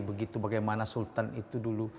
begitu bagaimana sultan itu dulu